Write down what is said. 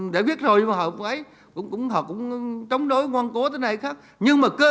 đối thoại với dân